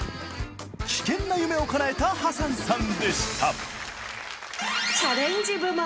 危険な夢をかなえたハサンさんでした。